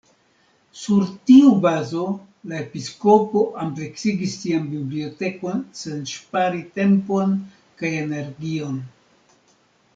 Sur tiu bazo la episkopo ampleksigis sian bibliotekon sen ŝpari tempon kaj energion.